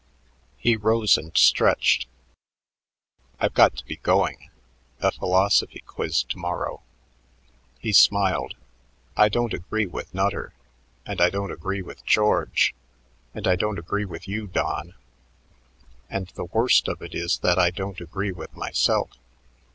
He rose and stretched. "I've got to be going philosophy quiz to morrow." He smiled. "I don't agree with Nutter, and I don't agree with George, and I don't agree with you, Don; and the worst of it is that I don't agree with myself.